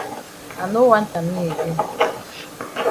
I no want am me again.